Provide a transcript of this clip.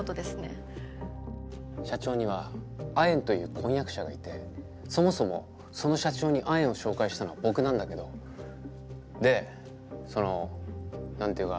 社長にはアエンという婚約者がいてそもそもその社長にアエンを紹介したのは僕なんだけどでその何て言うか。